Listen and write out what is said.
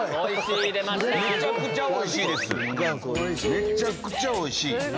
めちゃくちゃおいしい！